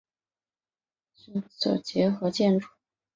以往为车站及职员居所的结合建筑。